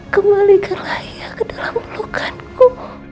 kembalikanlah ia ke dalam belokanku